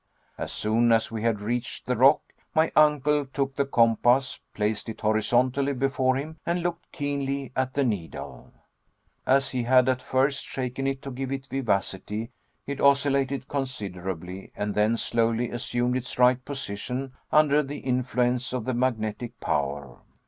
As soon as we had reached the rock, my uncle took the compass, placed it horizontally before him, and looked keenly at the needle. As he had at first shaken it to give it vivacity, it oscillated considerably, and then slowly assumed its right position under the influence of the magnetic power.